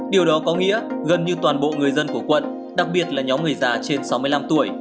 điều đó có nghĩa gần như toàn bộ người dân của quận đặc biệt là nhóm người già trên sáu mươi năm tuổi